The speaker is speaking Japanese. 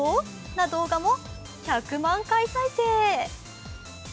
な動画も１００万回再生。